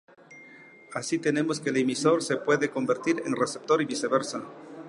Así tenemos que el emisor se puede convertir en receptor y viceversa.